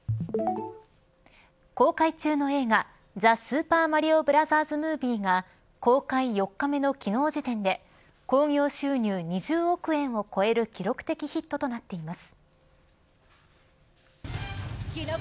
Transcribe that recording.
公開中の映画ザ・スーパーマリオブラザーズ・ムービーが公開４日目の昨日時点で興行収入２０億円を超える記録的ヒットとなっています。